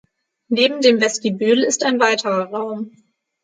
Neben dem Vestibül ist ein weiterer Raum.